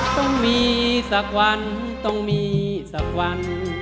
ต้องมีสักวันต้องมีสักวัน